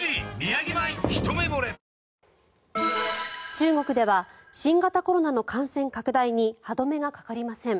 中国では新型コロナの感染拡大に歯止めがかかりません。